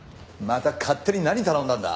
また勝手に何頼んだんだ？